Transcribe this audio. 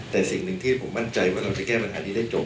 แต่สิ่งหนึ่งที่ผมมั่นใจว่าเราจะแก้ปัญหานี้ได้จบ